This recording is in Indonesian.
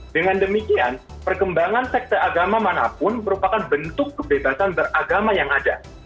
dengan demikian perkembangan sekte agama manapun merupakan bentuk kebebasan beragama yang ada